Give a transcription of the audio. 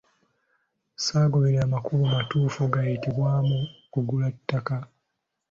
Ssaagoberera makubo matuufu gayitibwamu kugula ettaka.